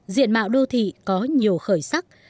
diện mạo đô thị có nhiều khởi sắc